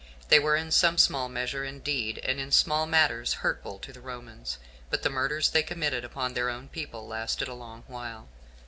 They were in some small measure indeed, and in small matters, hurtful to the Romans; but the murders they committed upon their own people lasted a long while.